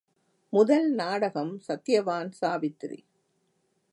முதல் நாடகம் சத்தியவான் சாவித்திரி.